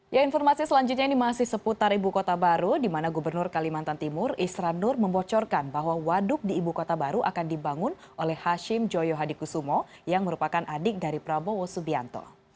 ya informasi selanjutnya ini masih seputar ibu kota baru di mana gubernur kalimantan timur isran nur membocorkan bahwa waduk di ibu kota baru akan dibangun oleh hashim joyo hadikusumo yang merupakan adik dari prabowo subianto